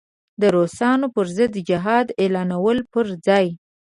د روسانو پر ضد جهاد اعلانولو پر ځای.